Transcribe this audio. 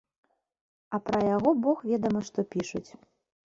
А пра яго бог ведама што пішуць.